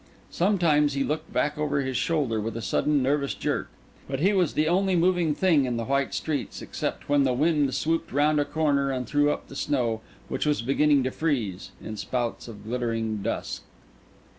Sometimes he looked back over his shoulder with a sudden nervous jerk; but he was the only moving thing in the white streets, except when the wind swooped round a corner and threw up the snow, which was beginning to freeze, in spouts of glittering dust.